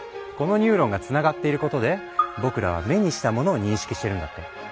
このニューロンがつながっていることで僕らは目にしたモノを認識してるんだって。